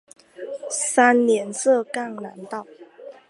三年设赣南道。